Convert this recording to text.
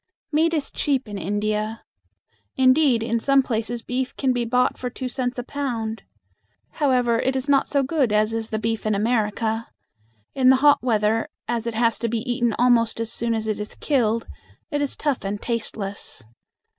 Meat is cheap in India. Indeed, in some places beef can be bought for two cents a pound. However, it is not so good as is the beef in America. In the hot weather, as it has to be eaten almost as soon as it is killed, it is tough and tasteless.